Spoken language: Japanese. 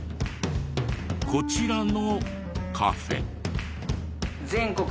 こちらのカフェ。